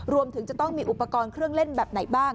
รวมถึงจะต้องมีอุปกรณ์เครื่องเล่นแบบไหนบ้าง